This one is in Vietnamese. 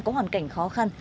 có hoàn cảnh khó khăn